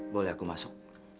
boleh aku masuk